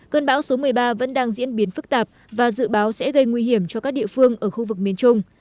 cơn bão số một mươi ba vẫn đang diễn biến phức tạp và dự báo sẽ gây nguy hiểm cho các địa phương ở khu vực miền trung